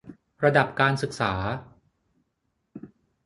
ระดับการศึกษา